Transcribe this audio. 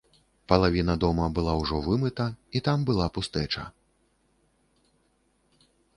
Палавіна дома была ўжо вымыта, і там была пустэча.